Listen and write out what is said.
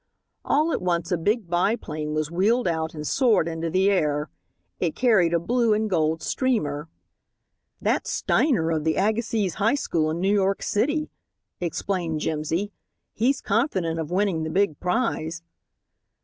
All at once a big biplane was wheeled out and soared into the air. It carried a blue and gold streamer. "That's Steiner of the Agassiz High School in New York City," explained Jimsy; "he's confident of winning the big prize."